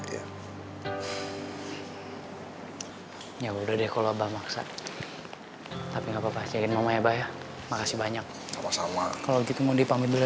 ya udah deh kalau maksat tapi nggak papa ceknya banyak banyak sama sama kalau gitu mau dipanggil